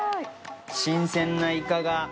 新鮮なイカが。